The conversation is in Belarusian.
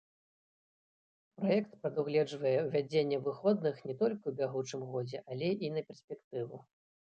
Праект прадугледжвае ўвядзенне выходных не толькі ў бягучым годзе, але і на перспектыву.